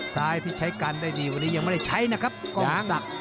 ซ้ายที่ใช้กันได้ดีวันนี้ยังไม่ได้ใช้นะครับกล้องดัก